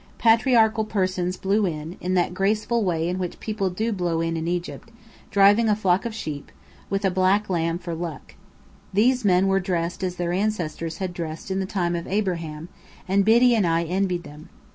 Patriarchal persons blew by, in that graceful way in which people do blow in Egypt, driving a flock of sheep, with a black lamb "for luck." These men were dressed as their ancestors had dressed in the time of Abraham, and Biddy and I envied them.